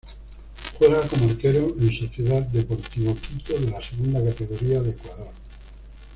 Juega como Arquero en Sociedad Deportivo Quito de la Segunda Categoría de Ecuador.